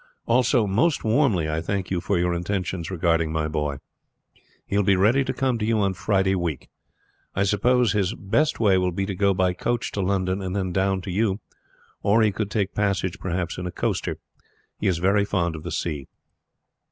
Also, most warmly I thank you for your intentions regarding my boy. He will be ready to come to you on Friday week. I suppose his best way will be to go by coach to London and then down to you, or he could take passage perhaps in a coaster. He is very fond of the sea.